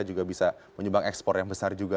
juga bisa menyumbang ekspor yang besar juga